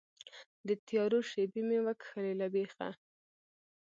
د تیارو شیبې مې وکښلې له بیخه